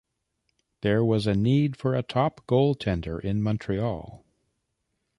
There was a need for a top goaltender in Montreal.